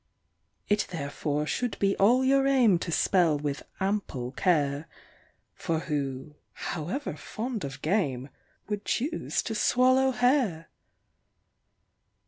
It therefore should be all your aim to spell with ample care; For who, however fond of game, would choose to swallow hair?